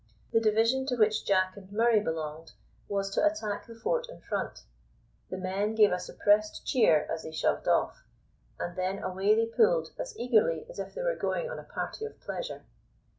The division to which Jack and Murray belonged was to attack the fort in front. The men gave a suppressed cheer as they shoved off, and then away they pulled as eagerly as if they were going on a party of pleasure.